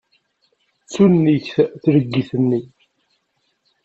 D tunnigt tleggit-nni.